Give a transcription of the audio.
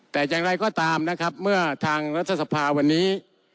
แต่อย่างไรก็ตามนะครับเมื่อทางรัฐสภาวันนี้